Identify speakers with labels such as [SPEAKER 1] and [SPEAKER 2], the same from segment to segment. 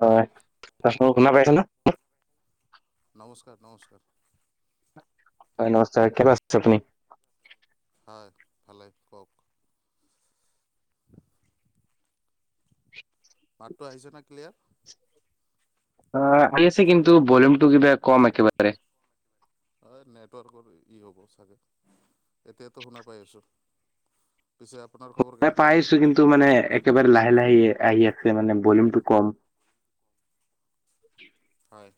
[SPEAKER 1] হয় ত শুনা পাইছা না?
[SPEAKER 2] নমস্কাৰ নমস্কাৰ।
[SPEAKER 1] হয় নমস্কাৰ কেনো আচ তুমি।
[SPEAKER 2] হয় ভালে কওক। মাতটো আহিছে নে ক্লিয়াৰ?
[SPEAKER 1] অ' আহি আছে কিন্তু ভলিউমটো কিবা কম একেবাৰে।
[SPEAKER 2] হয় নেটৱৰ্কৰ ই হ'ব চাগে, এতিয়াতো শুনা পাই আছো। পিছে আপ
[SPEAKER 1] পাইছোঁ কিন্তু মানে একেবাৰে লাহে লাহে আহি-আহি আছে মানে লিলউমটো কম।
[SPEAKER 2] হয়।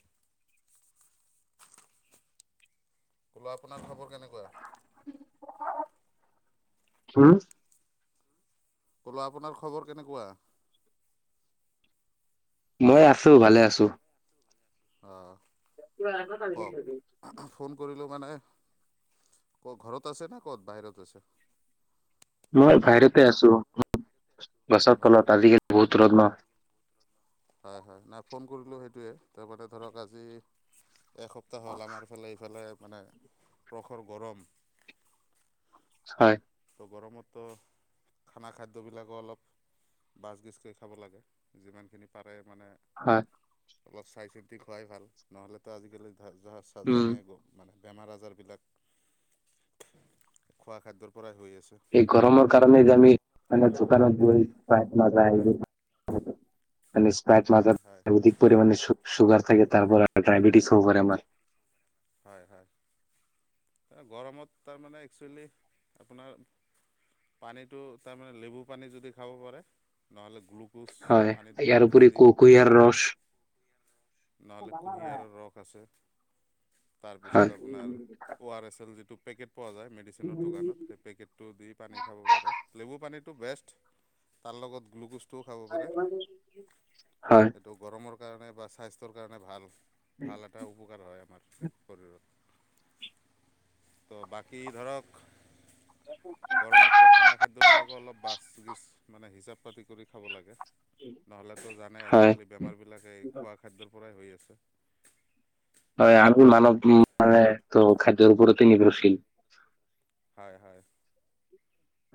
[SPEAKER 2] ক'লা আপোনাৰ খবৰ কেনেকুৱা?
[SPEAKER 1] হম?
[SPEAKER 2] ক'লো আপোনাৰ খবৰ কেনেকুৱা?
[SPEAKER 1] মই আছোঁ ভালে আছোঁ।
[SPEAKER 2] আহ।
[SPEAKER 1] কিবা এটা তাৰগেট নেকি?
[SPEAKER 2] ফোন কৰিলোঁ মানে, ক'ত ঘৰত আছে ন ক'ত বাহিৰত আছে?
[SPEAKER 1] মই বাহিৰতে আছোঁ
[SPEAKER 2] অঁ
[SPEAKER 1] গছৰ তলত আজিকালি বহুত ৰদ ন।
[SPEAKER 2] হয় হয়, নাই ফোন কৰিলোঁ সেইটোৱে তাৰমানে ধৰক আজি এসপ্তাহ হ'ল আমাৰ ইফালে ইফালে মানে প্ৰসৰ গৰম।
[SPEAKER 1] হয়।
[SPEAKER 2] ত' গৰমতো খানা খাদ্যবিলাকো অলপ বাচ গেচ কে খাব লাগে যিমানখিনি পাৰে মানে
[SPEAKER 1] হয়।
[SPEAKER 2] অলপ চাই চিতি খোৱুৱাই ভাল নহ'লেতো আজিকালি ধৰ [unintelligible]
[SPEAKER 1] উম।
[SPEAKER 2] জানেই। মানে বেমাৰ আজাৰবিলাক, খোৱা খাদ্যৰ পৰাই হৈ আছে।
[SPEAKER 1] এই গৰমৰ কাৰণে যে আমি মানে দোকানত গৈ স্পাৰাইত মাজা এইবোৰ নিশ্চয় [unintelligible]
[SPEAKER 2] হয় হয়
[SPEAKER 1] মাজাত অধিক পৰিমাণে চু-চুগাৰ থাকে তাৰপ ডায়াবেটিছ হ'ব পাৰে আমাৰ।
[SPEAKER 2] হয় হয়। গৰমত তাৰমানে একচুৱেলি আপোনাৰ পানীটো তাৰমানে লেবু পানী যদি খাব পাৰে নহ'লে গ্লুক গ্লুক'জ পানীত গ্লুক'জ দি।
[SPEAKER 1] য়াৰ ৰছ
[SPEAKER 2] নহ'লে কুঁহিয়াৰৰ ৰস আছে। তাৰপিছত
[SPEAKER 1] হয়,
[SPEAKER 2] আপোনাৰ ও আৰ এছ এল যিটো পেকেট পোৱা যায় মেডিচিনৰ দোকানত সেই পেকেটো দি পানী খাব পাৰে লেবু পানী তু বেছৰ্ট তাৰ লগত গ্লুকোজ সেই টো খাব পাৰে,
[SPEAKER 1] হয়,
[SPEAKER 2] সেইটো গৰমৰ কাৰণে বা স্বাস্থ্যৰ কাৰণে ভাল। ভাল এটা উপকাৰ হয় আমাৰ শৰীৰত। ত বাকী ধৰক গৰমতো খানা খাদ্যবিলাকো অলপ বাছ গছ মানে হিচাপ পাতি কৰি খাব লাগে নহ'লেতো জানে
[SPEAKER 1] হয়।
[SPEAKER 2] আজিকালি বেমাৰবিলাক এই খোৱা খাদ্যৰ পৰাই হৈ আছে।
[SPEAKER 1] হয়, আমি মানৱ মানে ত খাদ্যৰ ওপৰতে নিৰ্ভৰশীল।
[SPEAKER 2] হয়, হয়,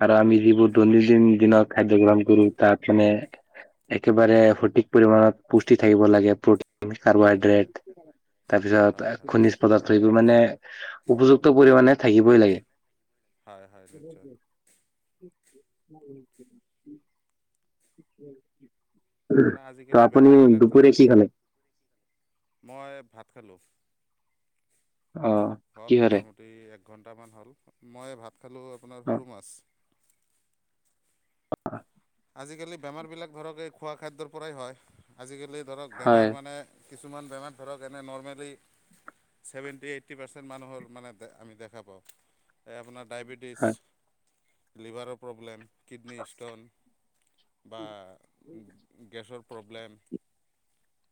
[SPEAKER 1] আৰু আমি যিবোৰ দৈনন্দিন দিনত খাদ্য গ্ৰহণ কৰো তাত মানে, একেবাৰে সঠিক পৰিমাণত পুষ্টি থাকিব লাগে
[SPEAKER 2] হয়
[SPEAKER 1] কাৰ্বহাইড্ৰেট
[SPEAKER 2] হয়
[SPEAKER 1] তাৰপিছত
[SPEAKER 2] হয়
[SPEAKER 1] খনিজ পদাৰ্থ এইবোৰ মানে উপযুক্ত পৰিমাণে থাকিবই লাগে।
[SPEAKER 2] হয়, হয়, নিশ্চয়।
[SPEAKER 1] [inaudible]
[SPEAKER 2] তাৰমানে আজিকালি
[SPEAKER 1] আপুনি
[SPEAKER 2] বেমাৰবিলাক ধৰক
[SPEAKER 1] দুপৰীয়া কি খালে?
[SPEAKER 2] মই ভাত খালোঁ
[SPEAKER 1] অ',
[SPEAKER 2] হ'ল
[SPEAKER 1] কিহেৰে?
[SPEAKER 2] মোটামুটি প্ৰতি একঘণ্টামান হ'ল মই ভাত খালোঁ আপোনাৰ
[SPEAKER 1] অ',
[SPEAKER 2] সৰু মাছ।
[SPEAKER 1] [inaudible]
[SPEAKER 2] আজিকালি বেমাৰবিলাক ধৰক এই খোৱা খাদ্যৰ পৰাই হয় আজিকালি ধৰক
[SPEAKER 1] হয়,
[SPEAKER 2] বেমাৰ মানে কিছুমান বেমাৰ ধৰক এনে নৰৰ্মেলি ছেভেনটি এইটি পাৰ্চেট মানুহৰ মানে আমি দেখা পাওঁ। এই আপোনাৰ
[SPEAKER 1] হয়,
[SPEAKER 2] ডায়েবেটিছ, লিভাৰৰ প্ৰব্লেম কিডনী ষ্টন। বা গেছৰ প্ৰব্লেম।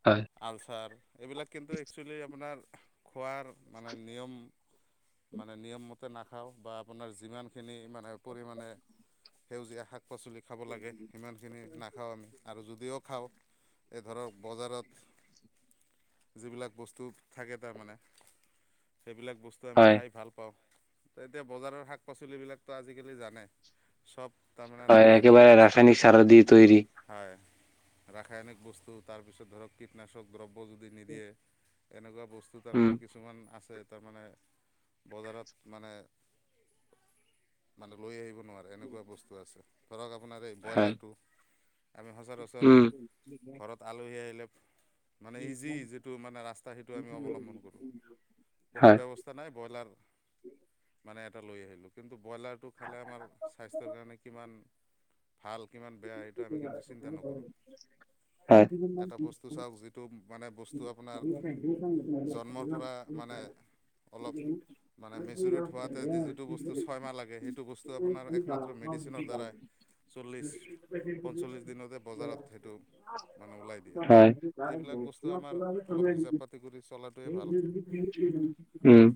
[SPEAKER 1] হয়,
[SPEAKER 2] আলচাৰ এইবিলাক কিন্তু একচুৱেলি আপোনাৰ খোৱাৰ মানে নিয়ম মানে নিয়মমতে নাখাওঁ বা আপোনাৰ যিমানখিনি মানে পৰিমাণে সেউজীয়া শাক-পাচলি খাব লাগে সিমানখিনি নাখাওঁ আমি আৰু যদিও খাওঁ এই ধৰক বজাৰত যিবিলাক বস্তু থাকে তাৰমানে সেইবিলাক বস্তু আমি
[SPEAKER 1] হয়,
[SPEAKER 2] খাই ভাল পাওঁ ত এতিয়া বজাৰৰ শাক পাচলিবিলাকতো আজিকালি জানে চব তাৰমানে
[SPEAKER 1] হয়,
[SPEAKER 2] ৰাসায়নিক
[SPEAKER 1] একেবাৰে
[SPEAKER 2] বস্তু
[SPEAKER 1] ৰাসায়নিক সাৰ দিয়ে দি তৈয়াৰী
[SPEAKER 2] হয় ৰাসায়নিক বস্তু তাৰপিছত ধৰক কীটনাশক দ্ৰব্য যদি নিদিয়ে, এনেকুৱা বস্তু
[SPEAKER 1] উম,
[SPEAKER 2] তাৰমানে কিছুমান আছে তাৰমানে বজাৰত মানে, মানে লৈ আহিব নোৱাৰে এনেকুৱা বস্তু আছে ধৰি লোক আপোনাৰ এই
[SPEAKER 1] হয়।
[SPEAKER 2] বয়লাৰ টো আমি সচৰাচৰ
[SPEAKER 1] উম।
[SPEAKER 2] ঘৰত আলহী আহিলে মানে ইজি যিটো মানে ৰাস্তা সেইটো আমি অৱলম্বন কৰোঁ। কোনো
[SPEAKER 1] হয়,
[SPEAKER 2] ব্যৱস্থা নাই ব্ৰইলাৰ মানে এটা লৈ আহিলোঁ কিন্তু ব্ৰইলাৰটো খালে আমাৰ স্বাস্থ্যৰ কাৰণে কিমান ভাল কিমান বেয়া সেইটো আমি কিন্তু চিন্তা নকৰোঁ।
[SPEAKER 1] হয়,
[SPEAKER 2] এটা বস্তু চাওক যিটো মানে বস্তু আপোনাৰ জন্মৰ পৰা মানে অলপ মানে মেচুৰিট হোৱাতে যিটো বস্তু ছয়মাহ লাগে সেইটো বস্তু আপোনাৰ একমাত্ৰ মেডিচিনৰ দ্বাৰাই
[SPEAKER 1] [unintelligible]
[SPEAKER 2] চল্লিছ পঞ্চল্লিছ দিনতে বজাৰত সেইটো মানে ওলাই দিয়ে
[SPEAKER 1] হয়।
[SPEAKER 2] এই এইবিলাক
[SPEAKER 1] উম,
[SPEAKER 2] বস্তু আমাৰ অলপ হিচাপ পাতি কৰি চলাটোৱে ভাল।
[SPEAKER 1] উম,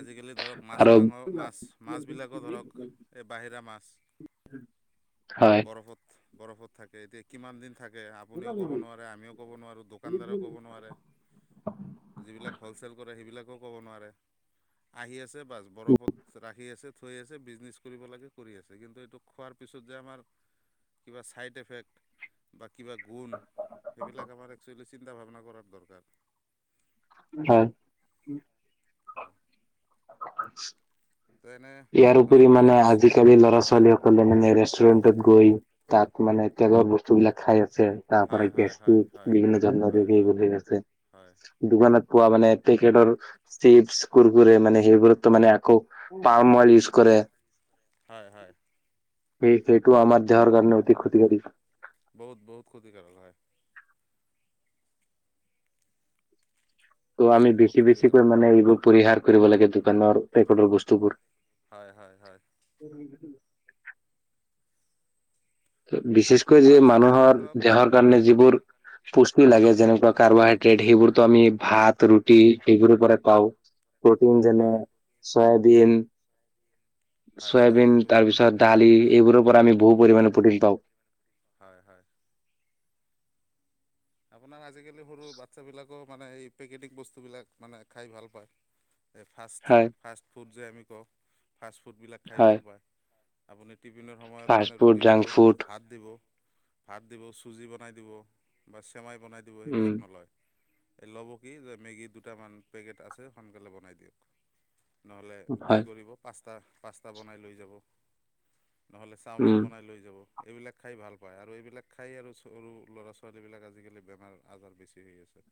[SPEAKER 2] আজিকালি ধৰক মাছ
[SPEAKER 1] আৰু
[SPEAKER 2] মাংস মাছ মাছ বিলাকো ধৰক এই বাহিৰা মাছ
[SPEAKER 1] হয়,
[SPEAKER 2] বৰফত বৰফত থাকে এতিয়া কিমান দিন থাকে কে আপুনিও ক'ব নোৱাৰে আমিও ক'ব নোৱাৰো দোকানদাৰেও ক'ব নোৱাৰে। যিবিলাক হ'লচেল কৰে সেইবিলাকো ক'ব নোৱাৰে আহি আছে বাছ বৰফত ৰাখি আছে থৈ আছে বিজনেছ কৰিব লাগে কৰি আছে কিন্তু এইটো খোৱাৰ পিছত যে আমাৰ কিবা ছাইড এফেক্ট বা কিবা গুণ সেইবিলাক আমাৰ একচুৱেলি চিন্তা ভাৱনা কৰাৰ দৰকাৰ। [inaudible]
[SPEAKER 1] হয়।
[SPEAKER 2] হয়।
[SPEAKER 1] [inaudible]
[SPEAKER 2] যেনে
[SPEAKER 1] ইয়াৰ উপৰি মানে আজিকালি ল'ৰা ছোৱালীৱেও [unintelligible] মানে ৰেষ্টুৰেন্টত গৈ তাত মানে তেলৰ বস্তুবিলাক খাই আছে। তাৰ পৰা
[SPEAKER 2] হয় হয় হয়
[SPEAKER 1] গেষ্টিক
[SPEAKER 2] হয়
[SPEAKER 1] বিভিন্ন যন্নো
[SPEAKER 2] হয়
[SPEAKER 1] [unintelligible]
[SPEAKER 2] হয়।
[SPEAKER 1] এইবুলি হৈ আছে।
[SPEAKER 2] হয়
[SPEAKER 1] দোকানত পোৱা মানে পেকেটৰ চিপছ কুৰকুৰে মানে সেইবোৰতো মানে আকৌ পাম অইল ইউজ কৰে।
[SPEAKER 2] হয় হয়।
[SPEAKER 1] সেই সেইটো আমাৰ দেহৰ কাৰণে অতি খুতিকাৰি
[SPEAKER 2] বহুত বহুত ক্ষতিকাৰক হয়।
[SPEAKER 1] ত' আমি
[SPEAKER 2] বহুত
[SPEAKER 1] বেছি বেছিকৈ
[SPEAKER 2] ক্ষতিকাৰক।
[SPEAKER 1] মানে এইবোৰ পৰিহাৰ কৰিব লাগে দোকানৰ পেকেটৰ বস্তুবোৰ।
[SPEAKER 2] হয় হয় হয়।
[SPEAKER 1] [inaudible] বিছেছকৈ
[SPEAKER 2] আৰু
[SPEAKER 1] যে
[SPEAKER 2] বাচ্ছাবিলাক
[SPEAKER 1] মানুহৰ
[SPEAKER 2] ধৰক
[SPEAKER 1] দেহৰ কাৰণে
[SPEAKER 2] হয়।
[SPEAKER 1] যিবোৰ পুষ্টি লাগে যেনেকুৱা কাৰ্বহাইড্ৰেট সেইবোৰতো আমি ভাত, ৰুটি সেইবোৰৰ পৰাই পাওঁ। প্ৰ'টিন যেনে,
[SPEAKER 2] হয়
[SPEAKER 1] চয়াবিন
[SPEAKER 2] হয়
[SPEAKER 1] চয়াবিন
[SPEAKER 2] চয়াবিনটো
[SPEAKER 1] তাৰ
[SPEAKER 2] ভাল
[SPEAKER 1] পিছত
[SPEAKER 2] হয়
[SPEAKER 1] দালি
[SPEAKER 2] হয়।
[SPEAKER 1] এইবোৰৰ পৰা আমি বহু পৰিমাণে প্ৰ'টিন পাওঁ।
[SPEAKER 2] হয় হয়। আপোনাৰ আজিকালি সৰু বাচ্ছাবিলাকেও মানে এই পেকেটিং বস্তুবিলাক মানে খাই ভাল পায়। এই ফাষ্ট,
[SPEAKER 1] হয়
[SPEAKER 2] ফাষ্ট ফুড যে আমি কওঁ ফাষ্ট ফুডবিলাক খাই
[SPEAKER 1] হয়
[SPEAKER 2] ভাল পায়। আপুনি টিফিনৰ সময়ত
[SPEAKER 1] ফাষ্ট
[SPEAKER 2] মানে
[SPEAKER 1] ফুড
[SPEAKER 2] ৰুটি দিব,
[SPEAKER 1] জাংক ফুড
[SPEAKER 2] ভাত দিব, ভাত দিব, চুজি বনাই দিব। বা চেমাই বনাই দিব
[SPEAKER 1] উম
[SPEAKER 2] সেইবিলাক নলয়। এই ল'ব কি যে মেগী দুটামান পেকেট আছে, সোনকালে বনাই দিয়ক। নহ'লে কি
[SPEAKER 1] হয়
[SPEAKER 2] কৰিব পাস্তা পাস্তা বনাই লৈ যাব। নহ'লে চাওমিন
[SPEAKER 1] উম
[SPEAKER 2] বনাই লৈ যাব। এইবিলাক খাই ভাল পায় আৰু এইবিলাক খাই আৰু ছো সৰু ল'ৰা ছোৱা ছোৱালীবিলাক আজিকালি বেমাৰ আজাৰ বেছি হৈ আছে।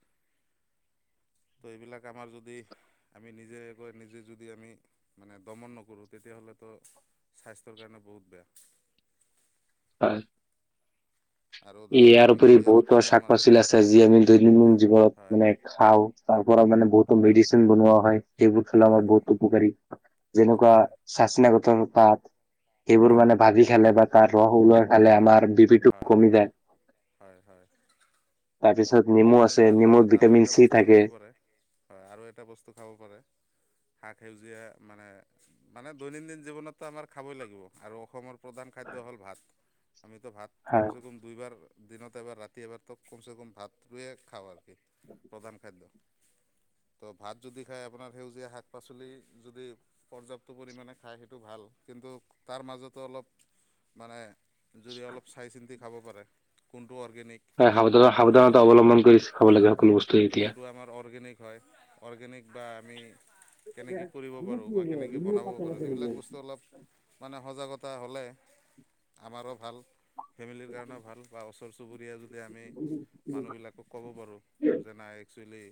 [SPEAKER 2] ত' এইবিলাক আমাৰ যদি আমি নিজে কৈ নিজে যদি আমি মানে দমন নকৰোঁ তেতিয়া হ'লেতো স্বাস্থ্যৰ কাৰণে বহুত বেয়া।
[SPEAKER 1] হয়।
[SPEAKER 2] আৰু
[SPEAKER 1] ই
[SPEAKER 2] ধৰক
[SPEAKER 1] ইয়াৰ
[SPEAKER 2] আমি
[SPEAKER 1] উপৰি
[SPEAKER 2] কেতিয়াবা
[SPEAKER 1] বহুতো
[SPEAKER 2] কামৰ
[SPEAKER 1] চাক
[SPEAKER 2] মাজতো
[SPEAKER 1] পাচলি আছে যি আমি দৈনন্দিন জীৱনত
[SPEAKER 2] হয়
[SPEAKER 1] মানে খাওঁ। তাৰ পৰা মানে বহুতো
[SPEAKER 2] হয়
[SPEAKER 1] মেডিচিন বনোৱা হয় এইবোৰ খালে আমাৰ
[SPEAKER 2] হয়
[SPEAKER 1] বহুত উপকাৰী যেনেকুৱা
[SPEAKER 2] হয়
[SPEAKER 1] চাঁচিনা গঠৰ পাত। সেইবোৰ মানে ভাজি খালে বা তাৰ ৰস ওলাই খালে আমাৰ বি পি টো
[SPEAKER 2] হয়
[SPEAKER 1] কমি
[SPEAKER 2] হয়।
[SPEAKER 1] যায়
[SPEAKER 2] হয় হয়।
[SPEAKER 1] তাৰপিছত নেমু
[SPEAKER 2] আপুনি
[SPEAKER 1] আছে
[SPEAKER 2] তাৰ
[SPEAKER 1] নেমুত
[SPEAKER 2] লগত আৰু
[SPEAKER 1] ভিটামিন
[SPEAKER 2] এটা
[SPEAKER 1] চি
[SPEAKER 2] বস্তু
[SPEAKER 1] থাকে
[SPEAKER 2] খাব পাৰে। হয় আৰু এটা বস্তু খাব পাৰে। শাক সেউজীয়া মানে, মানে দৈনন্দিন জীৱনতটো আমাৰ খাবই লাগিব আৰু অসমৰ প্ৰধান খাদ্য হ'ল ভাত। আমিতোঁ ভাত
[SPEAKER 1] হয়
[SPEAKER 2] কমচে কম দুইবাৰ দিনত এবাৰ, ৰাতি এবাৰতো কমচে কম ভাতটোৱে খাওঁ ভালকে। প্ৰধান খাদ্য। ত' ভাত যদি খাই আপোনাৰ সেউজীয়া শাক পাচলি যদি পৰ্যাপ্ত পৰিমাণে খাই সেইটো ভাল কিন্তু তাৰ মাজতোঁ অলপ, মানে যদি অলপ চাই চিন্তি খাব পাৰে। কোনটো অৰ্গেনিক
[SPEAKER 1] হয় সাৱধানা
[SPEAKER 2] কোনটো
[SPEAKER 1] সাৱধানতা
[SPEAKER 2] খালে
[SPEAKER 1] অৱলম্বন কৰিছে।
[SPEAKER 2] হয়। কোনটো আমাৰ অৰ্গেনিক হয় অৰ্গেনিক বা আমি কেনেকে কৰিব পাৰোঁ বা কেনেকে বনাব পাৰোঁ সেইবিলাক বস্তু অলপ মানে সজাগতা হ'লে আমাৰো ভাল। ফেমিলিৰ কাৰণেও ভাল বা ওচৰ চু চুবুৰীয়া যদি আমি মানুহবিলাক ক'ব পাৰোঁ যে নাই একচুৱেলী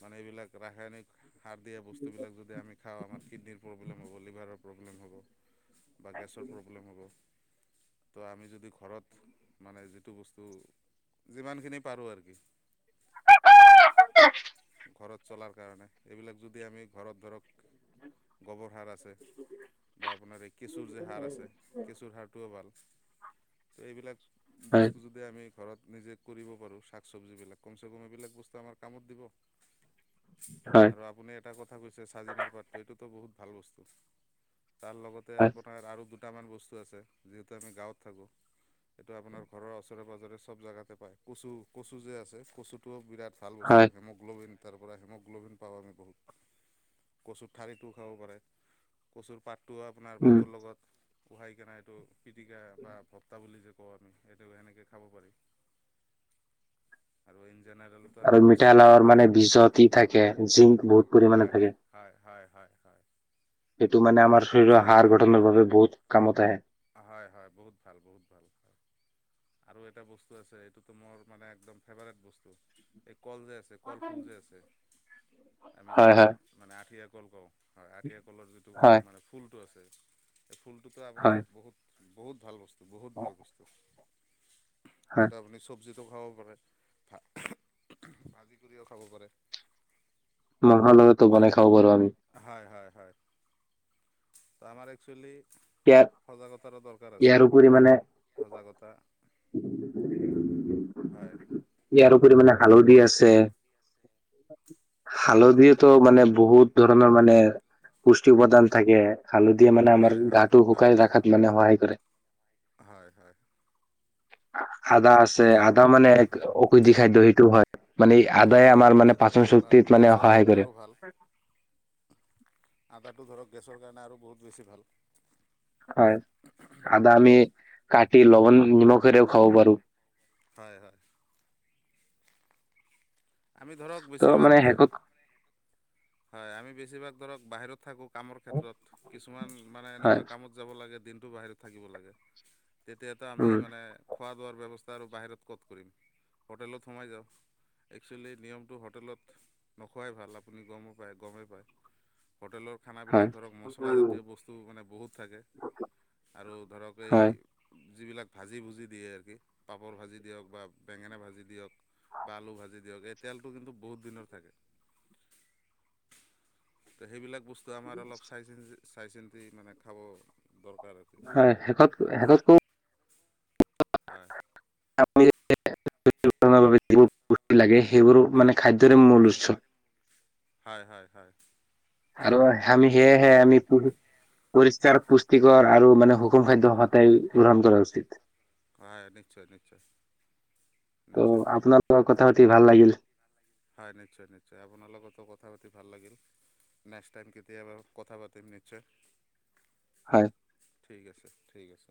[SPEAKER 2] মানে এইবিলাক ৰাসায়নিক সাৰ দিয়া বস্তুবিলাক যদি আমি খাওঁ আমাৰ কিডনীৰ প্ৰব্লেম হ'ব, লিভাৰৰ প্ৰব্লেম হ'ব। বা গেছৰ প্ৰব্লেম হ'ব। ত' আমি যদি ঘৰত মানে যিটো বস্তু যিমানখিনি পাৰোঁ আৰু [inaudible] ঘৰত চলাৰ কাৰণে এইবিলাক যদি আমি ঘৰত ধৰক গৱৰসাৰ আছে বা আপোনাৰ এই কেঁচুৰ যে সাৰ আছে, কেঁচুৰ সাৰটোও ভাল। এইবিলাক
[SPEAKER 1] হয়
[SPEAKER 2] বস্তু যদি আমি ঘৰত নিজে কৰিব পাৰোঁ শাক চবজিবিলাক কমচে কম এইবিলাক বস্তু আমাৰ কামত দিব,
[SPEAKER 1] হয়
[SPEAKER 2] আৰু আপুনি এটা কথা কৈছে চাজিনাৰ পাতো এইটো টো বহুত ভাল বস্তু, তাৰ লগতে
[SPEAKER 1] হয়
[SPEAKER 2] আপোনাৰ আৰু দুটামান বস্তু আছে যিহেতু আমি গাঁৱত থাকোঁ। সেইটো আপোনাৰ ঘৰৰ ওচৰে পাঁজৰে চব জেগাতে পায় কচু। কচু যে আছে কচুটোও বিৰাট ভাল
[SPEAKER 1] হয়
[SPEAKER 2] বস্তু হেম'গ্ল'বিন তাৰ পৰা হেমগ্ল'বিন পাওঁ আমি বহুত। কচুৰ ঠাৰিটোও খাব পাৰে, কচুৰ পাতটো আপোনাৰ
[SPEAKER 1] উম
[SPEAKER 2] ভাতৰ লগত ভূহাই কিনে এইটো পিটিকা বা ভত্তা বুলি যে কওঁ আমি এইটো সেনেকে খাব পাৰি। আৰু [unintelligible]
[SPEAKER 1] আৰু
[SPEAKER 2] কচুটোৱে
[SPEAKER 1] মিঠালাওৰ
[SPEAKER 2] খাই
[SPEAKER 1] মানে
[SPEAKER 2] থাকোঁ
[SPEAKER 1] বীজত ই থাকে জিংক বহুত পৰিমাণে
[SPEAKER 2] হয়
[SPEAKER 1] থাকে।
[SPEAKER 2] হয়, হয়, হয়, হয়।
[SPEAKER 1] সেইটো মানে
[SPEAKER 2] আৰু
[SPEAKER 1] আমাৰ
[SPEAKER 2] এটা আছে
[SPEAKER 1] শৰীৰৰ হাড়
[SPEAKER 2] আপোনাৰ
[SPEAKER 1] গঠনৰ
[SPEAKER 2] ধৰক
[SPEAKER 1] বাবে বহুত কামত আহে।
[SPEAKER 2] হয়, হয়, বহুত ভাল বহুত ভাল। হয়। আৰু এটা বস্তু আছে এইটোতো মোৰ মানে একদম ফেভাৰেট বস্তু, এই কলজেছ কলফুল যে আছে আমি যে
[SPEAKER 1] হয় হয়
[SPEAKER 2] মানে আঠিয়া কল কওঁ হয়, আঠিয়া কলৰ যিটো
[SPEAKER 1] হয়
[SPEAKER 2] মানে ফুলটো আছে। এই ফুলটোতো
[SPEAKER 1] হয়
[SPEAKER 2] আপোনাৰ বহুত, বহুত ভাল বস্তু, বহুত ভাল বস্তু।
[SPEAKER 1] হয়
[SPEAKER 2] এইটো আপুনি চব চবজিটো খাব পাৰে ভা-ভাজি কৰিও খাব পাৰে।
[SPEAKER 1] মহালয়াটো বনাই খাব পাৰোঁ আমি।
[SPEAKER 2] হয়, হয়, হয়। আমাৰ একচুৱেলি
[SPEAKER 1] ইয়াৰ
[SPEAKER 2] সজাগতাৰো দৰকাৰ আছে।
[SPEAKER 1] ইয়াৰ উপৰি মানে
[SPEAKER 2] সজাগতা হয়।
[SPEAKER 1] ইয়াৰ উপৰি মানে হালধি আছে হালধিতো মানে বহুত ধৰণৰ মানে পুষ্টি উপাদান থাকে। হালধিয়ে মানে আমাৰ
[SPEAKER 2] হয় হয়
[SPEAKER 1] গাটো
[SPEAKER 2] হয়
[SPEAKER 1] শুকাই ৰাখাত মানে সহায় কৰে।
[SPEAKER 2] হয়, হয়।
[SPEAKER 1] আদা আছে, আদা মানে ঔষধি খাদ্য সেইটো হয়, মানে আদায়ে
[SPEAKER 2] হয়
[SPEAKER 1] আমাৰ
[SPEAKER 2] হয়
[SPEAKER 1] মানে
[SPEAKER 2] আদাটো
[SPEAKER 1] পাচন
[SPEAKER 2] আপোনাৰ
[SPEAKER 1] শক্তিত মানে
[SPEAKER 2] গেছৰ
[SPEAKER 1] সহায়
[SPEAKER 2] কাৰণে
[SPEAKER 1] কৰে।
[SPEAKER 2] আৰু ভাল আদাটো ধৰক গেছৰ কাৰণে আৰু বহুত বেছি ভাল।
[SPEAKER 1] হয়, আদা আমি কাটি লৱণ নিমখৰেও খাব পাৰোঁ।
[SPEAKER 2] হয়, হয়। আমি ধৰক
[SPEAKER 1] ত'
[SPEAKER 2] বেছিভাগ
[SPEAKER 1] মানে শেষত
[SPEAKER 2] হয়, আমি বেছিভাগ ধৰক বাহিৰত থাকোঁ। কামৰ ক্ষেত্ৰত কিছুমান মানে
[SPEAKER 1] হয়
[SPEAKER 2] এনেকুৱা কামত যাব লাগে দিনটো বাহিৰত থাকিব লাগে। তেতিয়াতো আমি
[SPEAKER 1] উম
[SPEAKER 2] মানে খোৱা লোৱাৰ ব্যৱস্থা আৰু বাহিৰত ক'ত কৰিম, হোটেলত সোমাই যাওঁ। একচুৱেলী নিয়মটো হোটেলত নোখোৱাই ভাল আপুনি গমো পায় গমেই পায়, হোটেলৰ
[SPEAKER 1] হয়
[SPEAKER 2] খানাবিলাক ধৰক মচলাজাতীয় বস্তু মানে বহুত থাকে আৰু ধৰক
[SPEAKER 1] হয়
[SPEAKER 2] এই যিবিলাক ভাজি ভুজি দিয়ে আৰু কি পাপৰ ভাজি দিয়ক বা বেঙেনা ভাজি দিয়ক বা আলু ভাজি দি দিয়ক এই তেলটো কিন্তু বহুত দিনৰ থাকে, ত' সেইবিলাক বস্তু তো আমাৰ অলপ চাই চিটি, চাই চিন্তি মানে খাব দৰকাৰ আৰু আমাৰ
[SPEAKER 1] হয়, শেষত, শেষত কওঁ
[SPEAKER 2] হয়।
[SPEAKER 1] [unintelligible] বস্তু লাগে সেইবোৰ মানে খাদ্যৰে মূল উৎস
[SPEAKER 2] হয়, হয়, হয়।
[SPEAKER 1] আৰু
[SPEAKER 2] হয়
[SPEAKER 1] আমি, সেয়হে আমি, প পৰিষ্কাৰ পুষ্টিকৰ আৰু মানে সুষম খাদ্য সদায় গ্ৰহণ কৰা উচিত।
[SPEAKER 2] হয়, নিশ্চয়, নিশ্চয়, নিশ্চয়।
[SPEAKER 1] ক, কথা পাতি ভাল লাগিল
[SPEAKER 2] হয়, নিশ্চয়, নিশ্চয়, আপোনাৰ লগতো কথা পাতি ভাল লাগিল। নেক্সট টাইম কেতিয়াবা কথা পাতিম নিশ্চয়।
[SPEAKER 1] হয়।
[SPEAKER 2] ঠিক আছে, ঠিক আছে।